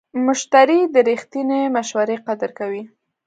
مشتری د رښتینې مشورې قدر کوي.